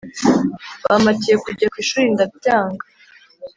bampatiye kujya ku ishuri ndabyanga